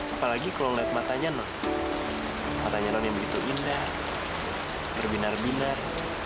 apalagi kalau melihat matanya matanya non yang begitu indah berbinar binar